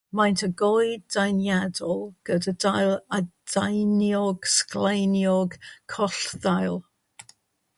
Maent yn goed deniadol gyda dail adeiniog sgleiniog collddail.